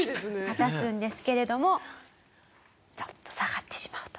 果たすんですけれどもちょっと下がってしまうと。